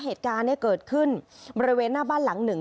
เหตุการณ์เนี่ยเกิดขึ้นบริเวณหน้าบ้านหลังหนึ่ง